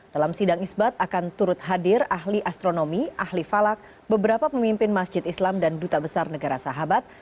dalam sidang isbat akan turut hadir ahli astronomi ahli falak beberapa pemimpin masjid islam dan duta besar negara sahabat